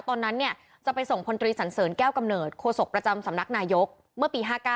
ตอนนั้นจะไปส่งพลตรีสันเสริญแก้วกำเนิดโศกประจำสำนักนายกเมื่อปี๕๙